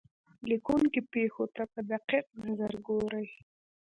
لیکونکی پېښو ته په دقیق نظر ګوري.